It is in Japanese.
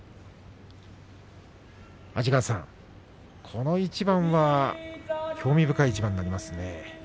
安治川さん、この一番は興味深い一番になりますね。